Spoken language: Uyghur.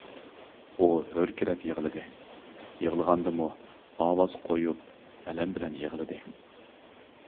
ئۇ ھۆركىرەپ يىغلىدى، يىغلىغاندىمۇ ئاۋاز قويۇپ، ئەلەم بىلەن يىغلىدى.